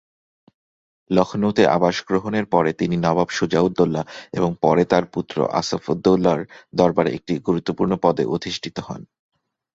লখনউতে আবাস গ্রহণের পরে, তিনি নবাব সুজা-উদ-দৌলা এবং পরে তাঁর পুত্র আসফ-উদ-দৌলার দরবারে একটি গুরুত্বপূর্ণ পদে অধিষ্ঠিত হন।